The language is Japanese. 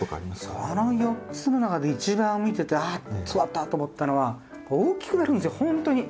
その４つの中で一番見てて「あっそうだった！」と思ったのは大きくなるんですよほんとに。